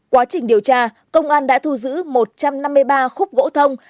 quá trình điều tra công an đã thu giữ một trăm năm mươi ba khúc gỗ thông